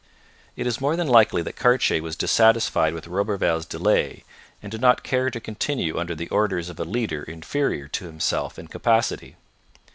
It is more than likely that Cartier was dissatisfied with Roberval's delay, and did not care to continue under the orders of a leader inferior to himself in capacity.